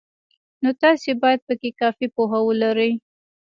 نو تاسې باید پکې کافي پوهه ولرئ.